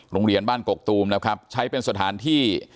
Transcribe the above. โรงเรียนบ้านกกตูมนะครับใช้เป็นสถานที่